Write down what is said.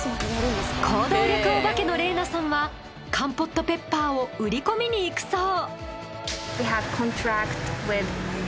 行動力お化けの澪那さんはカンポットペッパーを売り込みに行くそう。